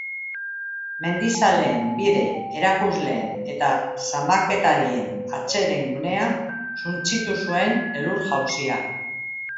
Mendizaleen, bide-erakusleen eta zamaketarien atseden-gunea suntsitu zuen elur-jausiak.